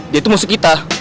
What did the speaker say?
dia tuh musuh kita